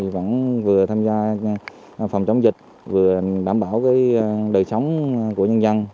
vẫn vừa tham gia phòng chống dịch vừa đảm bảo đời sống của nhân dân